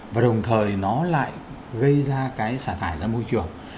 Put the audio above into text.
và đồng thời nó lại gây ra cái xả thải ra môi trường